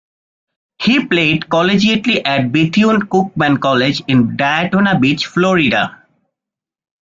He played collegiately at Bethune-Cookman College, in Daytona Beach, Florida.